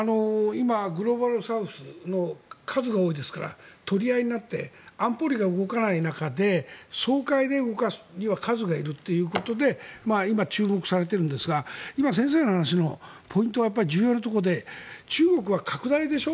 今、グローバルサウスの数が多いですから取り合いになって安保理が動かない中で総会で動かすには数がいるということで今、注目されているんですが先生の話のポイントは重要なところで中国は拡大でしょ。